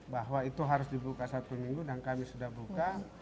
bahwa itu harus dibuka satu minggu dan kami sudah buka